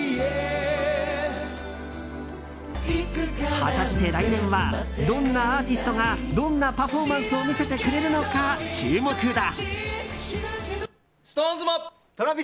果たして、来年はどんなアーティストがどんなパフォーマンスを見せてくれるのか注目だ。